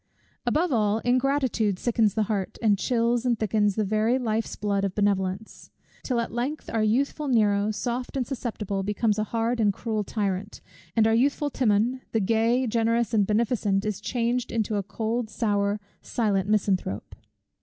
Above all, ingratitude sickens the heart, and chills and thickens the very life's blood of benevolence: till at length our youthful Nero, soft and susceptible, becomes a hard and cruel tyrant; and our youthful Timon, the gay, the generous, the beneficent, is changed into a cold, sour, silent misanthrope.